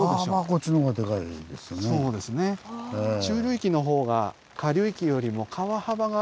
中流域の方が下流域よりも川幅が広いですよね。